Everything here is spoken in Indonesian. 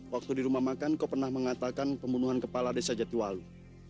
waktu di rumah makan kau pernah mengatakan pembunuhan kepala desa jatiwalu